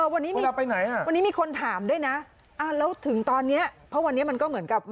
วันนี้มีคนถามด้วยนะแล้วถึงตอนนี้เพราะวันนี้มันก็เหมือนกับ